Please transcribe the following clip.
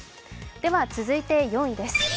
続いて４位です。